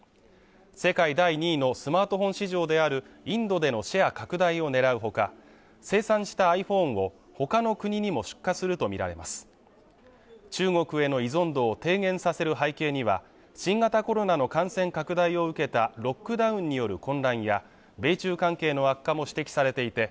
世界第２位のスマートフォン市場であるインドでのシェア拡大を狙うほか生産したｉＰｈｏｎｅをほかの国にも出荷すると見られます中国への依存度を低減させる背景には新型コロナの感染拡大を受けたロックダウンによる混乱や米中関係の悪化も指摘されていて